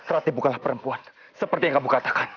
seratnya bukanlah perempuan seperti yang kamu katakan